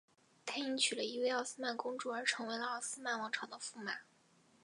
他因娶了一位奥斯曼公主而成为了奥斯曼王朝的驸马。